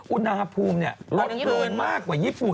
อุณหภูมิลดลงมากกว่าญี่ปุ่น